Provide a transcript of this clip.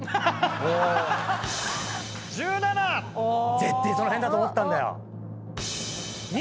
絶対その辺だと思ったんだよ。